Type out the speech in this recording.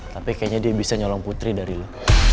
tapi kayaknya dia bisa nyolong putri dari lo